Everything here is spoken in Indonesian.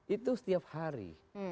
itu setiap hari